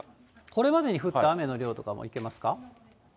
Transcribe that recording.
これまでに降った雨の量とかもいけますか？